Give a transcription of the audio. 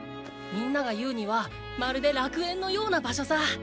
皆が言うにはまるで楽園のような場所さ！